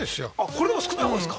これでも少ない方ですか？